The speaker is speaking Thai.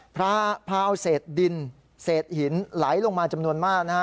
พระพราวเศษดินเศษหินไหลลงมาจำนวนมาก